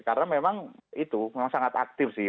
karena memang itu memang sangat aktif sih